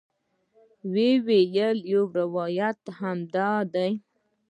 ویل یې یو روایت دا هم دی.